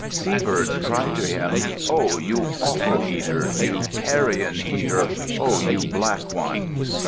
Seabirds cried to him, "Oh, you offal eater! Oh, you carrion eater! Oh, you black one!"